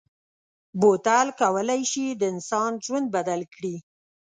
بوتل کولای شي د انسان ژوند بدل کړي.